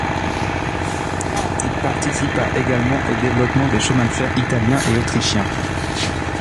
Il participa également au développement des chemins de fer italiens et autrichiens.